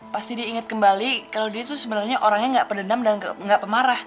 pasti dia ingat kembali kalau dia itu sebenarnya orangnya gak pedenam dan gak pemarah